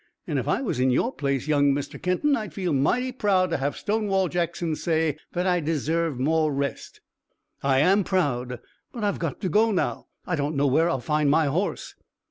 An' if I was in your place, young Mr. Kenton, I'd feel mighty proud to have Stonewall Jackson say that I deserved more rest." "I am proud, but I've got to go now. I don't know where I'll find my horse."